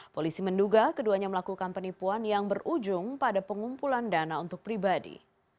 polisi menduga keduanya melakukan penipuan yang berujung pada pengumpulan dana untuk pribadi